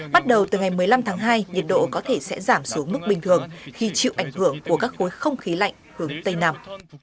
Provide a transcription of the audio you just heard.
bắt đầu từ ngày một mươi năm tháng hai nhiệt độ có thể sẽ giảm xuống mức bình thường khi chịu ảnh hưởng của các khối không khí lạnh hướng tây nam